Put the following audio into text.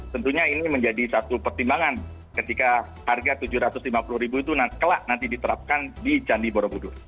tentunya ini menjadi satu pertimbangan ketika harga rp tujuh ratus lima puluh itu kelak nanti diterapkan di candi borobudur